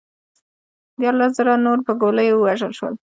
دیارلس زره نور پر ګولیو ووژل شول